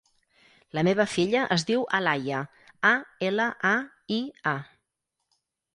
La meva filla es diu Alaia: a, ela, a, i, a.